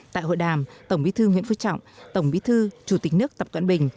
tại hội đàm tổng bí thư nguyễn phú trọng tổng bí thư chủ tịch nước tập cận bình